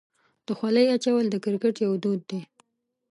د خولۍ اچول د کرکټ یو دود دی.